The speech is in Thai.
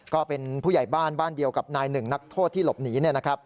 ก็เป็นผู้ใหญ่บ้านบ้านเดียวกับนายหนึ่งนักโทษที่หลบหนี